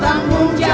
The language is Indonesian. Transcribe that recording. kalau gue enggak